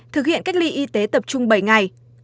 thực hiện cách ly y tế tập trung bảy ngày